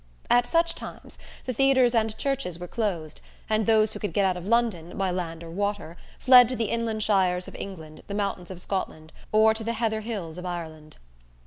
At such times the theatres and churches were closed, and those who could get out of London, by land or water, fled to the inland shires of England, the mountains of Scotland or to the heather hills of Ireland.